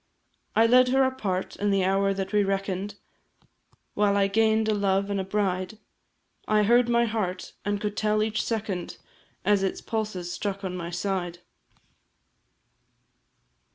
I led her apart, and the hour that we reckon'd, While I gain'd a love and a bride, I heard my heart, and could tell each second, As its pulses struck on my side.